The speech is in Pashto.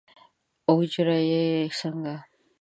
اوجره یې څنګه؟